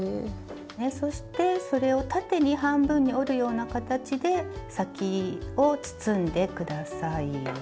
そしてそれを縦に半分に折るような形で先を包んで下さい。